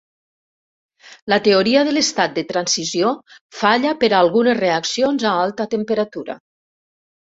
La teoria de l'estat de transició falla per a algunes reaccions a alta temperatura.